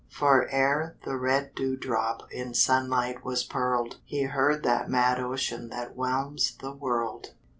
For ere the red dewdrop In sunlight was pearled, He heard that mad ocean That whelms the world.